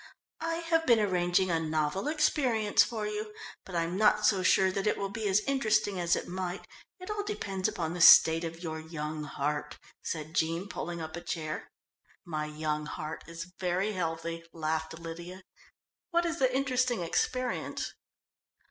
"I have been arranging a novel experience for you, but I'm not so sure that it will be as interesting as it might it all depends upon the state of your young heart," said Jean, pulling up a chair. "My young heart is very healthy," laughed Lydia. "What is the interesting experience?"